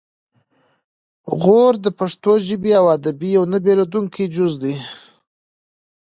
غور د پښتو ژبې او ادب یو نه بیلیدونکی جز دی